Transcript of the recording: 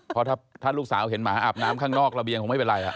เพราะถ้าลูกสาวเห็นหมาอาบน้ำข้างนอกระเบียงคงไม่เป็นไร